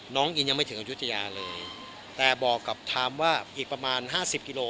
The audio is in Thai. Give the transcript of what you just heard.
น้องอินยังไม่ถึงอายุทยาเลยแต่บอกกับไทม์ว่าอีกประมาณห้าสิบกิโล